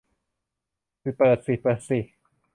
เปิดสิเปิดสิ